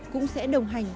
cũng sẽ đồng hành